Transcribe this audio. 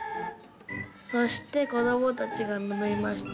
そしてこどもたちがのみました。